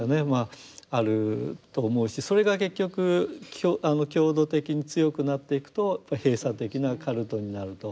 あると思うしそれが結局強度的に強くなっていくとやっぱり閉鎖的なカルトになると。